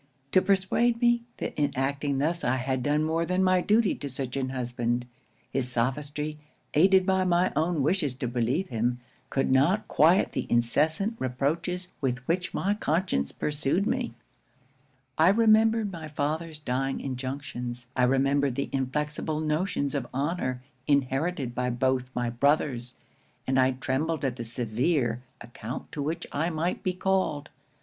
to persuade me, that in acting thus I had done more than my duty to such an husband. His sophistry, aided by my own wishes to believe him, could not quiet the incessant reproaches with which my conscience pursued me I remembered my father's dying injunctions, I remembered the inflexible notions of honour inherited by both my brothers, and I trembled at the severe account to which I might be called.